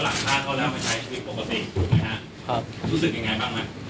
รู้สึกยังไงบ้างไหม